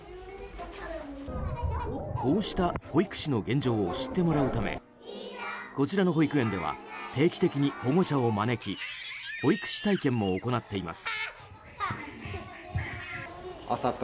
こうした保育士の現状を知ってもらうためこちらの保育園では定期的に保護者を招き保育士体験も行っています。